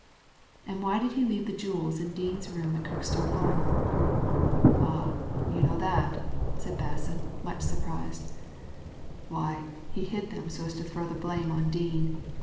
"And why did he leave the jewels in Dean's room atKirkstoneHall?" "Ah, you know that?" said Basson, much sur prbed. "Why, he hid them so as to throw the blame on Dean.